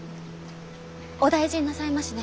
お大事になさいましね。